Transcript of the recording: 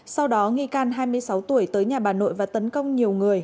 sau đó nghi can hai mươi sáu tuổi tới nhà bà nội và tấn công nhiều người